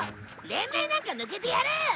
連盟なんか抜けてやる！